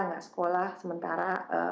gak sekolah sementara